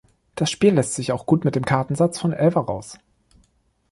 Das Spiel lässt sich auch gut mit den Kartensatz von Elfer raus!